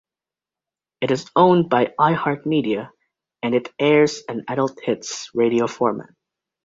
It is owned by iHeartMedia and it airs an adult hits radio format.